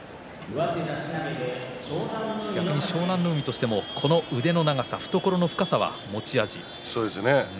逆に湘南乃海としても腕の長さ、懐の深さが持ち味。